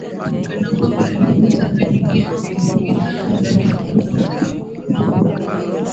kana kwamba alivunja hali hii akaiingiza ndani Hakuna uchangamfu unaongaa